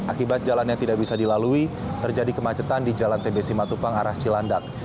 akibat jalannya tidak bisa dilalui terjadi kemacetan di jalan tbc matupang arah cilandak